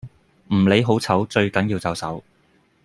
唔理好醜最緊要就手